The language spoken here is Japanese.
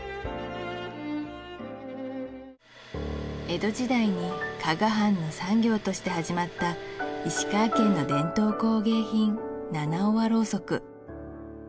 江戸時代に加賀藩の産業として始まった石川県の伝統工芸品